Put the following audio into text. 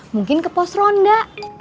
mungkin ke pos ronda